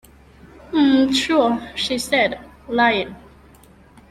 Um... sure, she said, lying.